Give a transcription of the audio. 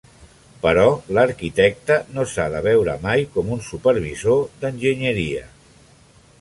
Però l'arquitecte no s'ha de veure mai com un supervisor d'enginyeria.